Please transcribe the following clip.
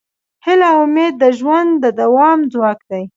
هیله او امید د ژوند د دوام ځواک دی.